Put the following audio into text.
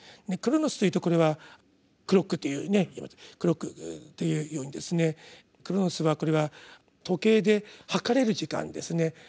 「クロノス」というとこれはクロックというようにですね「クロノス」はこれは時計で計れる時間ですね。